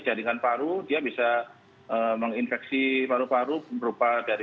jaringan paru dia bisa menginfeksi paru paru berupa dari